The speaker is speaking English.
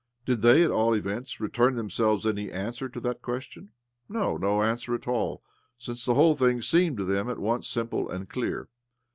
* Did they, at all events, return themselyes any answer to that question? No, no answer at all, since the whole thing seemed to them at once simple and clear.